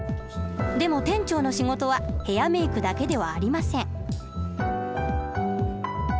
でも店長の仕事はヘアメ−クだけではありません。